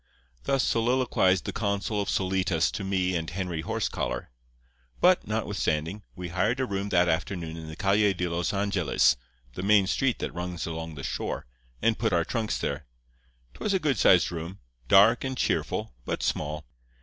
"Thus soliloquized the consul of Solitas to me and Henry Horsecollar. "But, notwithstanding, we hired a room that afternoon in the Calle de los Angeles, the main street that runs along the shore, and put our trunks there. 'Twas a good sized room, dark and cheerful, but small.